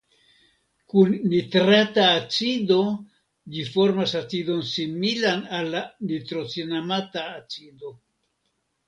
Kun nitrata acido ĝi formas acidon similan al la nitrocinamata acido.